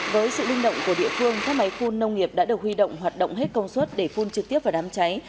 với sự linh động của địa phương các máy phun nông nghiệp đã được huy động hoạt động hết công suất để phun trực tiếp vào đám cháy